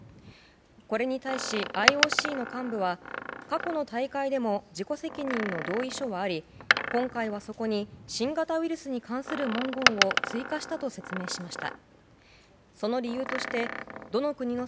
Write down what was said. これに対し、ＩＯＣの幹部は過去の大会でも自己責任の同意書はあり今回はそこに新型ウイルスに関する文言を追加したと説明しました。